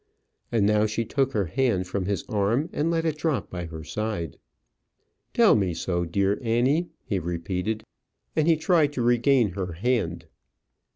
And now she took her hand from his arm, and let it drop by her side. "Tell me so, dear Annie," he repeated; and he tried to regain her hand.